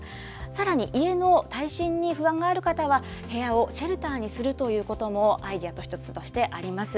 さらに、家の耐震に不安がある方は、部屋をシェルターにするということも、アイデアの一つとしてあります。